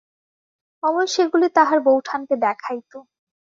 অমল সেগুলি তাহার বউঠানকে দেখাইত।